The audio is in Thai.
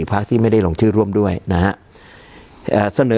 การแสดงความคิดเห็น